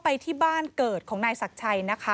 ไปที่บ้านเกิดของนายสักฉัย